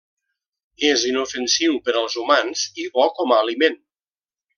És inofensiu per als humans i bo com a aliment.